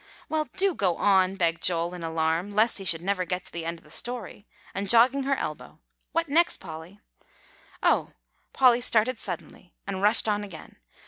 "Well, do go on," begged Joel in alarm lest he should never get the end of that story, and jogging her elbow; "what next, Polly?" "Oh!" Polly started suddenly and rushed on again.